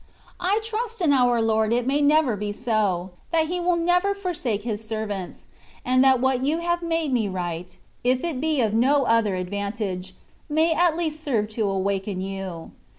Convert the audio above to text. I trust in our Lord it may never be 3P; that He will never forsake his servants, and that what you have made me write, if it be of no other advantage, may at least serve to awaken you.